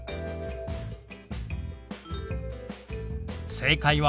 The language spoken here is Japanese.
正解は。